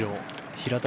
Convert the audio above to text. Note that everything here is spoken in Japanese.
平田